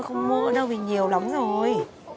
không mua ở đâu vì nhiều lắm rồi